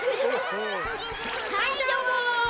はいどうも。